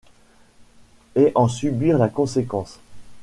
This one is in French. Et en subir la conséquence.